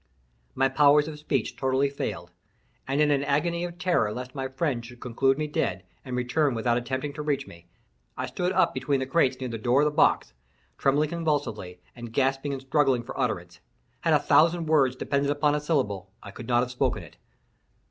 My powers of speech totally failed, and in an agony of terror lest my friend should conclude me dead, and return without attempting to reach me, I stood up between the crates near the door of the box, trembling convulsively, and gasping and struggling for utterance. Had a thousand words depended upon a syllable, I could not have spoken it.